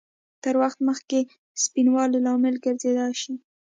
تر وخته مخکې سپینوالي لامل ګرځېدای شي؟